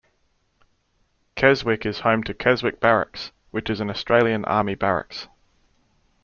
Keswick is home to Keswick Barracks, which is an Australian Army Barracks.